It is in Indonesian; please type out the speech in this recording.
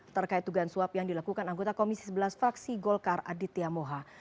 terkait tugas suap yang dilakukan anggota komisi sebelas fraksi golkar aditya moha